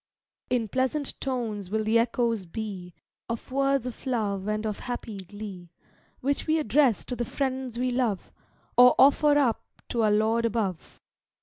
In pleasant tones will the echoes be, Of words of love and of happy glee, Which we address to the friends we love, Or offer up to our Lord above.